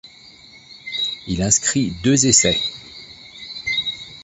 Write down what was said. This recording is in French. Il inscrit deux essais.